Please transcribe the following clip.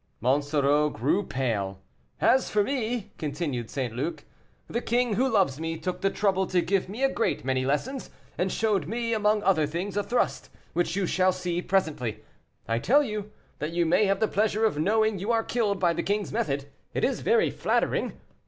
Monsoreau grew pale. "As for me," continued St. Luc, "the king, who loves me, took the trouble to give me a great many lessons, and showed me, among other things, a thrust, which you shall see presently. I tell you, that you may have the pleasure of knowing you are killed by the king's method; it is very flattering."